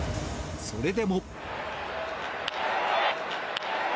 それでも。